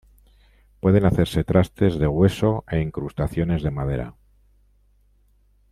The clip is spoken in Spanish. Pueden hacerse trastes de hueso e incrustaciones de madera.